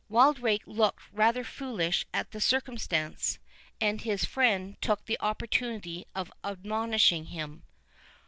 Wildrake looked rather foolish at the circumstance, and his friend took the opportunity of admonishing him.